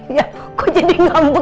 iya kok jadi ngambek